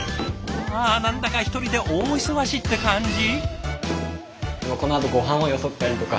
わあ何だか１人で大忙しって感じ？